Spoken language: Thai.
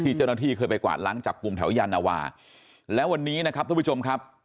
เจ้าหน้าที่เคยไปกวาดล้างจับกลุ่มแถวยานวาแล้ววันนี้นะครับทุกผู้ชมครับ